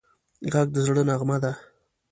غږ د زړه نغمه ده